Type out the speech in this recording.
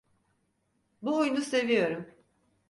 Bu oyunu seviyorum.